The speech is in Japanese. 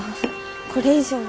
これ以上は。